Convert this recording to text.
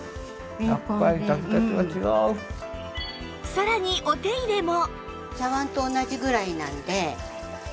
さらにお手入れも